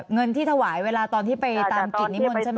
เงินที่ถวายเวลาตอนที่ไปตามกิจนิมนต์ใช่ไหม